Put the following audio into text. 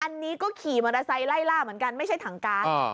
อันนี้ก็ขี่มอเตอร์ไซค์ไล่ล่าเหมือนกันไม่ใช่ถังการ์ด